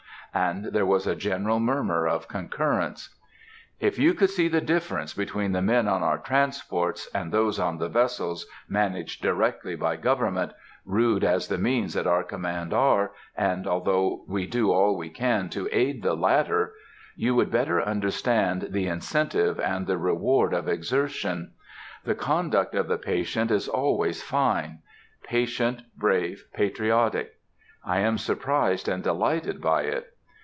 and there was a general murmur of concurrence. If you could see the difference between the men on our transports, and those on the vessels managed directly by government,—rude as the means at our command are, and although we do all we can to aid the latter,—you would better understand the incentive and the reward of exertion.... The conduct of the patients is always fine;—patient, brave, patriotic. I am surprised and delighted by it.